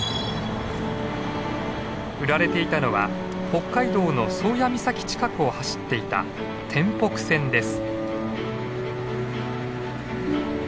売られていたのは北海道の宗谷岬近くを走っていた天北線です。